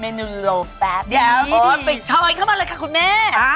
เดี๋ยวโอ้ยไปช้อยเข้ามาเลยค่ะคุณแม่